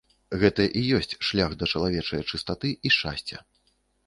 Гэта і ёсць шлях да чалавечае чыстаты і шчасця.